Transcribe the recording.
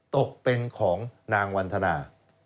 ตกเป็นของนางวันธนา